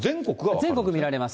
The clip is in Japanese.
全国が見られます。